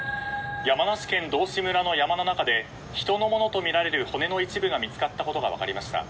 山梨県道志村の山の中で人のものとみられる骨の一部が見つかったことが分かりました。